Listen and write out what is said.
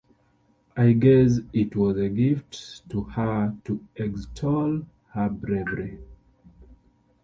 I guess it was a gift to her to extol her bravery.